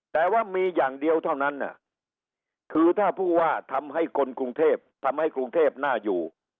แต่ว่ามีอย่างเดียวเท่านั้นคือถ้าผู้ว่าทำให้คนกรุงเทพทำให้กรุงเทพน่าอยู่